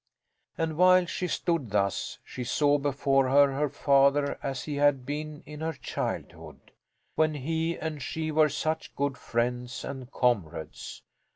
And while she stood thus she saw before her her father as he had been in her childhood, when he and she were such good friends and comrades.